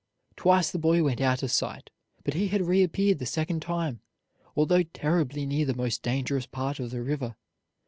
Twice the boy went out of sight, but he had reappeared the second time, although terribly near the most dangerous part of the river.